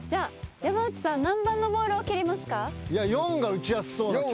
山内さん何番のボールを蹴りますか？